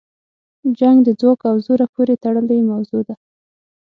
جنګ د ځواک او زوره پورې تړلې موضوع ده.